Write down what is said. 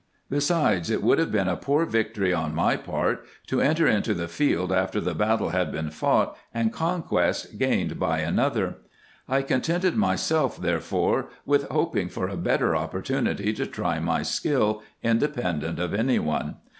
Besides, it would IN EGYPT, NUBIA, &c. 13!) have been a poor victory on my part to enter into the field after the battle had been fought, and conquest gained by another. I contented myself, therefore, with hoping for a better opportunity to try my skill, independent of any one.